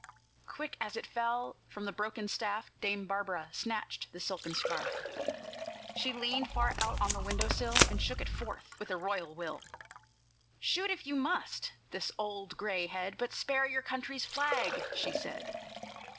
Quick, as it fell, from the broken staff Dame Barbara snatched the silken scarf. She leaned far out on the window sill, And shook it forth with a royal will. "Shoot, if you must, this old gray head, But spare your country's flag," she said.